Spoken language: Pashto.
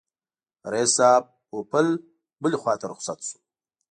رییس صاحب پوپل بلي خواته رخصت شو.